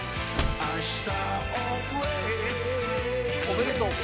おめでとう。